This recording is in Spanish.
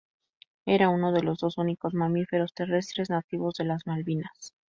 Era uno de los dos únicos mamíferos terrestres nativos de las Malvinas.